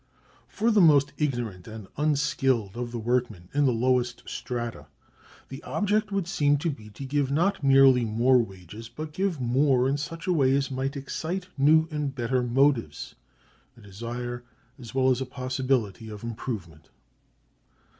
(316) For the most ignorant and unskilled of the workmen in the lowest strata the object would seem to be to give not merely more wages, but give more in such a way as might excite new and better motives, a desire as well as a possibility of improvement.